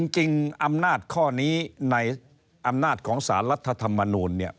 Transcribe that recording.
จริงอำนาจข้อนี้ในอำนาจของศาลรัฐธรรมนุนเนี่ย